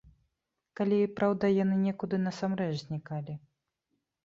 Калі, праўда, яны некуды насамрэч знікалі.